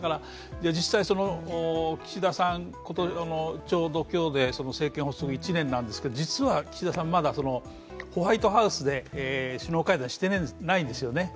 実際、岸田さん、ちょうど今日で政権発足１年なんですが、実は岸田さん、まだホワイトハウスで首脳会談してないんですよね。